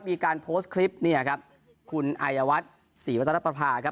มีการโพสต์คลิปเนี่ยครับคุณอายวัฒน์ศรีวัตนประภาครับ